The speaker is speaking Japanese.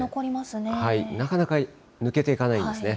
なかなか抜けていかないんですね。